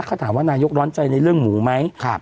เขาถามว่านายกร้อนใจในเรื่องหมูไหม